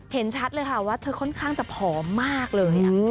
เห็นชัดเลยค่ะว่าเธอค่อนข้างจะผอมมากเลย